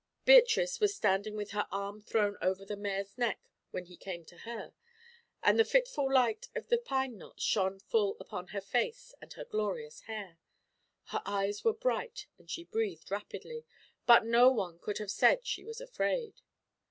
Beatrice was standing with her arm thrown over the mare's neck when he came to her, and the fitful light of the pine knots shone full upon her face and her glorious hair. Her eyes were bright and she breathed rapidly, but no one could have said she was afraid.